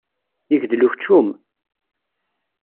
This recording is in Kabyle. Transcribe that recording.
Yegdel ukeččum!